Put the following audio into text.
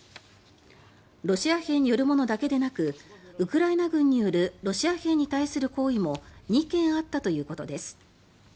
ロシア兵によるものだけでなくウクライナ軍によるロシア兵に対する行為も２件あったということです。